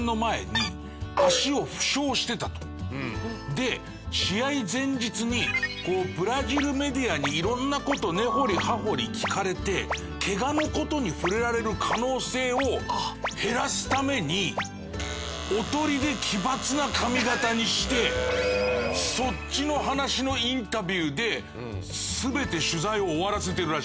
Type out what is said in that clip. で試合前日にブラジルメディアに色んな事根掘り葉掘り聞かれてケガの事に触れられる可能性を減らすためにおとりで奇抜な髪形にしてそっちの話のインタビューで全て取材を終わらせてるらしいです。